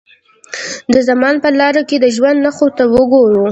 د زمان پر لارو که د ژوند نښو ته وګورو.